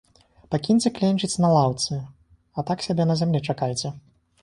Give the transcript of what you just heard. Пакіньце кленчыць на лаўцы, а так сабе на зямлі чакайце.